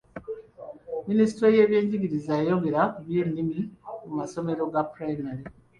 Minisitule y'ebyenjigiriza yayogera ku by'ennimi mu masomero ga pulayimale.